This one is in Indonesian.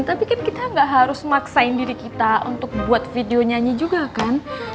tapi kan kita gak harus maksain diri kita untuk buat video nyanyi juga kan